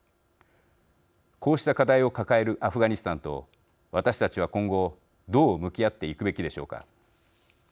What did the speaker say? こうした課題を抱えるアフガニスタンと私たちは今後どう向き合っていくべきでしょうか。